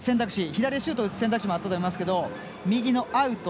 左のシュートの選択肢もあったと思いますけど右のアウト。